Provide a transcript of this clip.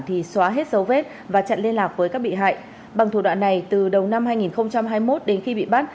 thì xóa hết dấu vết và chặn liên lạc với các bị hại bằng thủ đoạn này từ đầu năm hai nghìn hai mươi một đến khi bị bắt